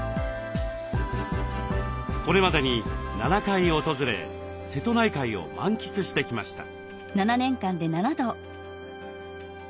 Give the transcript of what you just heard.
これまでに７回訪れ瀬戸内海を満喫してきました。